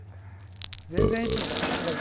全然いつもと格好が違いますね。